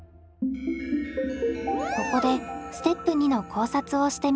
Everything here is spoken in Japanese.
ここでステップ２の考察をしてみましょう。